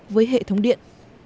với hệ thống điện